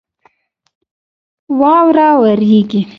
واوره ورېږي